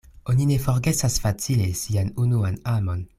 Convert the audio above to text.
Oni ne forgesas facile sian unuan amon.